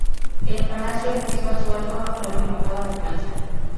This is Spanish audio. El Palacio Ortiz Basualdo actual embajada de Francia.